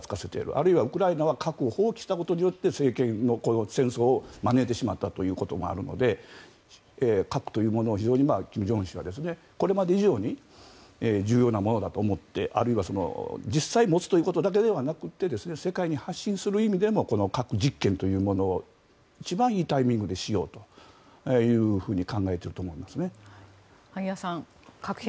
あるいはウクライナは核を放棄したことによって戦争を招いてしまったということもあるので核というものを非常に金正恩氏はこれまで以上に重要なものだと思ってあるいは、実際に持つということだけではなくて世界に発信する意味でもこの核実験というものを一番いいタイミングでしようと考えていると思うんですね。